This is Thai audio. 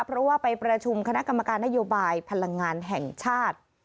เพราะว่าไปประชุมคณะกรรมการนโยบายพลังงานแห่งชาติ